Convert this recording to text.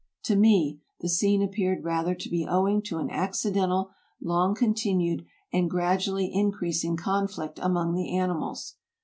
To me the scene appeared rather to be owing to an accidental, long continued, and gradually increasing conflict among the animals.